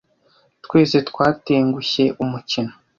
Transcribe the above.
Twese twatengushye umukino.